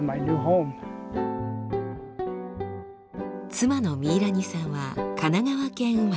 妻のミイラニさんは神奈川県生まれ。